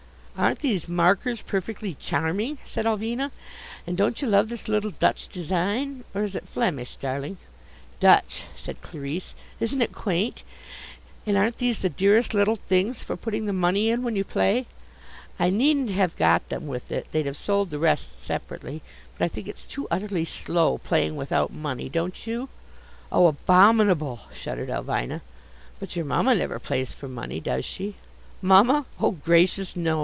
"Aren't these markers perfectly charming?" said Ulvina. "And don't you love this little Dutch design or is it Flemish, darling?" "Dutch," said Clarisse. "Isn't it quaint? And aren't these the dearest little things, for putting the money in when you play. I needn't have got them with it they'd have sold the rest separately but I think it's too utterly slow playing without money, don't you?" "Oh, abominable," shuddered Ulvina. "But your mamma never plays for money, does she?" "Mamma! Oh, gracious, no.